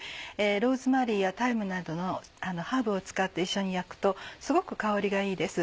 ローズマリーやタイムなどのハーブを使って一緒に焼くとすごく香りがいいです。